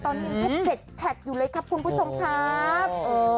ตอนนี้ยังเชื่อหมด๐๘๗อยู่เลยครับคุณผู้ชมครับ